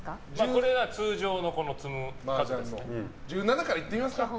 これが通常の積む数です。